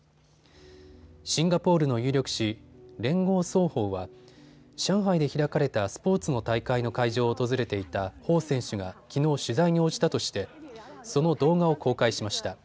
シンガポールの有力紙、聯合早報は上海で開かれたスポーツの大会の会場を訪れていた彭選手がきのう取材に応じたとしてその動画を公開しました。